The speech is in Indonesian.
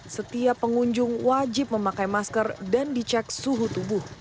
setiap pengunjung wajib memakai masker dan dicek suhu tubuh